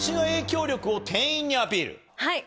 はい！